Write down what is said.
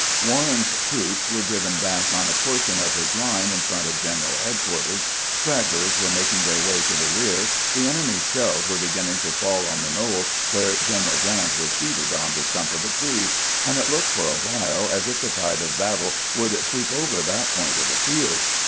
Warren's troops were driven back on a portion of his line in front of general headquarters, stragglers were making their way to the rear, the enemy's shells were beginning to fall on the knoll where General Grant was seated on the stump of a tree, and it looked for a while as if the tide of battle would sweep over that point of the field.